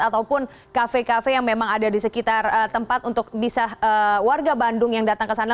ataupun kafe kafe yang memang ada di sekitar tempat untuk bisa warga bandung yang datang ke sana